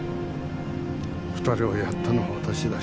２人をやったのは私だ。